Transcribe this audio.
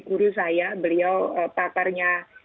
guru saya beliau patarnya